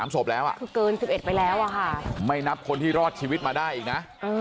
๓ศพแล้วคือเกิน๑๑ไปแล้วอะค่ะไม่นับคนที่รอดชีวิตมาได้อีกนะ